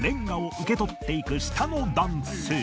受け取っていく下の男性。